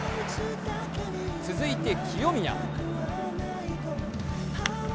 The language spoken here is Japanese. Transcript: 続いて清宮。